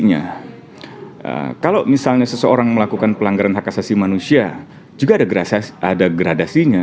jadi kalau misalnya seseorang melakukan pelanggaran hak asasi manusia juga ada gradasinya